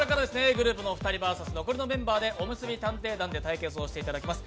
ｇｒｏｕｐのお二人ＶＳ、残りのメンバーで「おむすび探偵団」で対決をしていただきます。